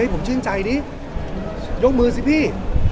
ผมชื่นใจดิยกมือสิพี่